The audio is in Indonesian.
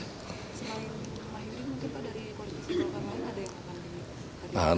pak mah yudin mungkin pada kondisi kemarin ada yang akan